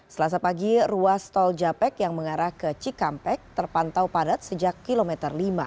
selasa pagi ruas tol japek yang mengarah ke cikampek terpantau padat sejak kilometer lima